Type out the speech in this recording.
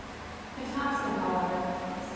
To Thompson, however, still ibid.